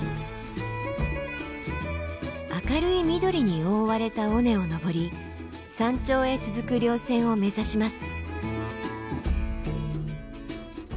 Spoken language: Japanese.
明るい緑に覆われた尾根を登り山頂へ続く稜線を目指します。